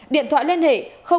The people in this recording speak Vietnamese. điện thoại liên hệ sáu mươi chín